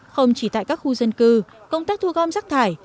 không chỉ tại các khu dân cư công tác thu gom rác thải